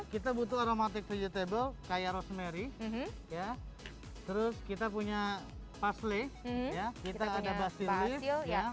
kita butuh aromatik sedih table kayak rosemary ya terus kita punya pasley kita ada basil ya